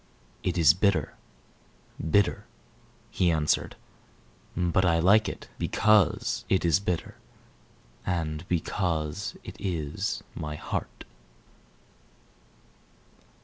"It is bitter bitter," he answered; "But I like it Because it is bitter, And because it is my heart."